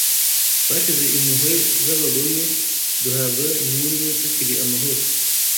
Twashize impuhwe z’abagome duhabwa impundu tukiri amahoro